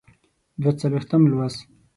دوه څلویښتم لوست.